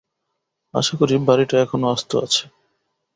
আশা করি বাড়িটা এখনো আস্ত আছে।